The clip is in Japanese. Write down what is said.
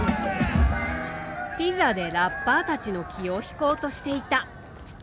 ピザでラッパーたちの気を引こうとしていた。